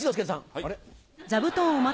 あれ？